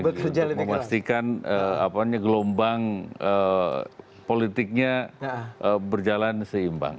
untuk memastikan gelombang politiknya berjalan seimbang